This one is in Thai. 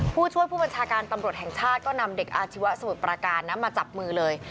ผู้ช่วยผู้บัญชาการตำรวจแห่งชาติก็นำเด็กอาชีวะสมุทรประการนะมาจับมือเลย